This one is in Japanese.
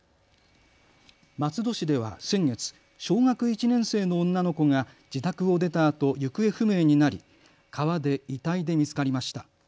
松戸市では先月、小学１年生の女の子が自宅を出たあと行方不明になり川で遺体で見つかりました。